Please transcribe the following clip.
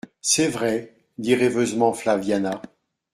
«C'est vrai …» dit rêveusement Flaviana.